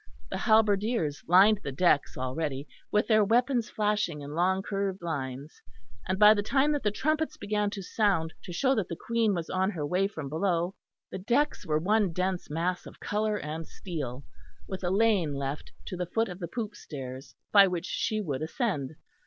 The halberdiers lined the decks already, with their weapons flashing in long curved lines; and by the time that the trumpets began to sound to show that the Queen was on her way from below, the decks were one dense mass of colour and steel, with a lane left to the foot of the poop stairs by which she would ascend.